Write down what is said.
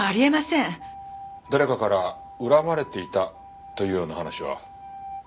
誰かから恨まれていたというような話は？